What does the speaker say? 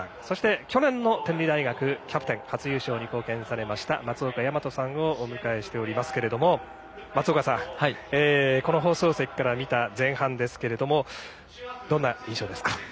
そして、去年の天理大学キャプテンの初優勝に貢献されました松岡大和さんをお迎えしていますが松岡さん、この放送席から見た前半ですけれどもどんな印象ですか？